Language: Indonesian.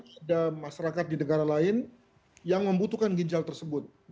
ada masyarakat di negara lain yang membutuhkan ginjal tersebut